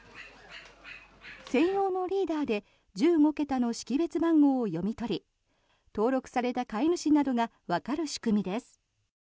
専用のリーダーで１５桁の識別番号を読み取り登録された飼い主などがわかる仕組みです。